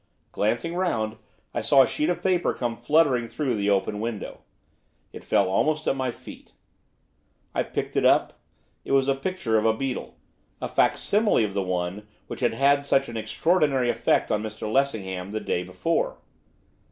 Glancing round, I saw a sheet of paper come fluttering through the open window. It fell almost at my feet. I picked it up. It was a picture of a beetle, a facsimile of the one which had had such an extraordinary effect on Mr Lessingham the day before.